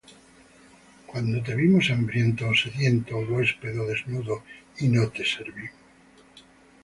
¿cuándo te vimos hambriento, ó sediento, ó huésped, ó desnudo, y no te servimos?